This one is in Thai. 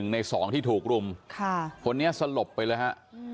ใน๒ที่ถูกรุมคนนี้สลบไปเลยฮะ